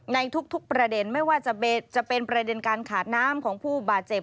ในทุกประเด็นไม่ว่าจะเป็นประเด็นการขาดน้ำของผู้บาดเจ็บ